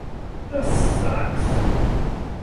This sucks.